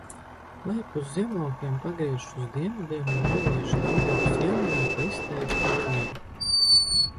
Lejpus Ziemlaukiem pagriežas uz dienvidiem un nolaižas Daugavas ielejā pa izteiktu ieleju.